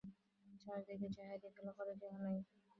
চারি দিকে চাহিয়া দেখিল, ঘরে কেহ নাই।